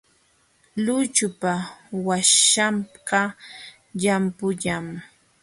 Luychupa waśhanqa llampullam.